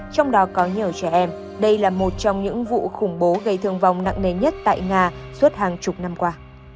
trong đó có nhiều trẻ em đây là một trong những vụ khủng bố gây thương vong nặng nề nhất tại nga suốt hàng chục năm qua